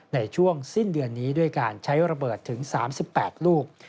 ในช่วงสิ้นเดือนนี้ด้วยการใช้ระเบิดถึง๓๘ลูก